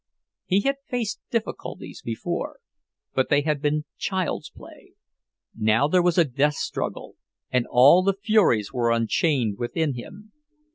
He had faced difficulties before, but they had been child's play; now there was a death struggle, and all the furies were unchained within him.